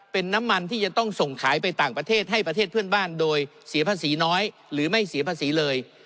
เป็นน้ำมันที่จะต้องส่งขายไปต่างประเทศให้ประเทศเพื่อนบ้านโดยเสียภาษีน้อยหรือไม่เสียภาษีเลย